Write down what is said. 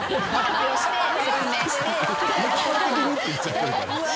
「一方的に」って言っちゃってるから。